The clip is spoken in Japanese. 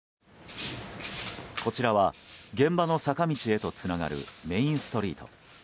こちらは現場の坂道へとつながるメインストリート。